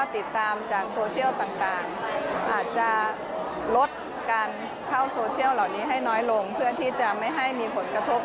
เที่ยวเหล่านี้ให้น้อยลงเพื่อที่จะไม่ให้มีผลกระทบ